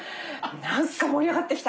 「何か盛り上がってきた！」